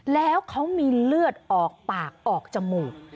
แล้วเขามีเลือดออกปากออกจมูก